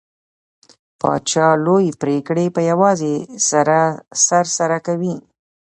پاچا لوې پرېکړې په يوازې سر سره کوي .